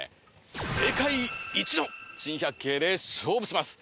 世界一の珍百景で勝負します。